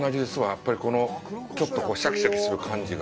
やっぱり、このちょっとシャキシャキする感じが。